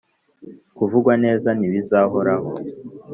Kuvugwa neza ntibizahoraho